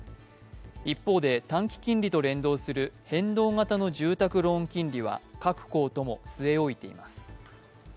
一方で、短期金利と連動する変動型の住宅ローン金利は各行とも据え置いています。